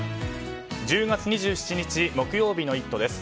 １０月２７日、木曜日の「イット！」です。